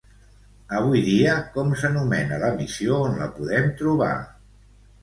Avui dia, com s'anomena l'emissió on la podem trobar?